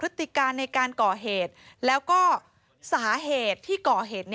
สาเหตุที่ก่อเหตุ